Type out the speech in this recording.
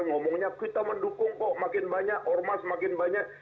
ngomongnya kita mendukung kok makin banyak ormas makin banyak